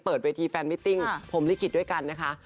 เวทีแฟนมิติ้งพรมลิขิตด้วยกันนะคะ